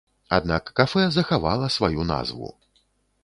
Аднак кафэ захавала сваю назву.